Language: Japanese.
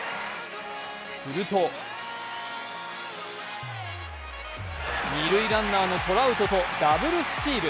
すると二塁ランナーのトラウトとダブルスチール。